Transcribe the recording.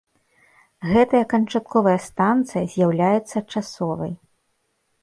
Гэтая канчатковая станцыя з'яўляецца часовай.